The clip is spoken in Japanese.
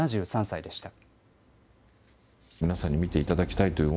７３歳でした。